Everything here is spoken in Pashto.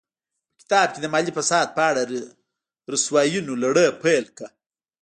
په کتاب کې د مالي فساد په اړه رسواینو لړۍ پیل کړه.